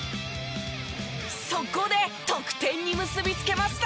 速攻で得点に結びつけました。